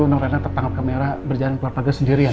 norena tertangkap kamera berjalan keluar pagi sendirian